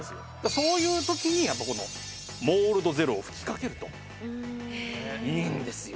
そういう時にやっぱこのモールドゼロを吹きかけるといいんですよ。